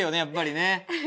やっぱりね。